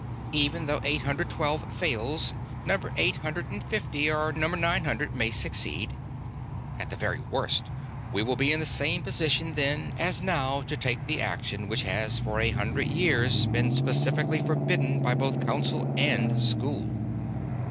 Even though eight hundred twelve fails, number eight hundred fifty or number nine hundred may succeed. At very worst, we will be in the same position then as now to take the action which has for a hundred years been specifically forbidden by both Council and School.